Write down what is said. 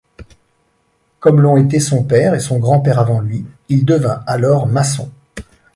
Comme l'ont été son père et son grand-père avant lui, il devint alors maçon.